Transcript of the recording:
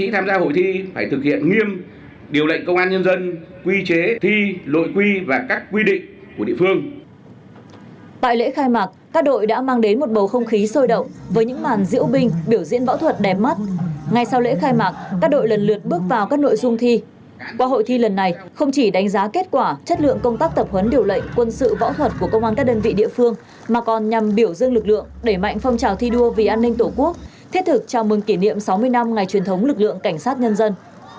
thiết thực chào mừng kỷ niệm sáu mươi năm ngày truyền thống lực lượng cảnh sát nhân dân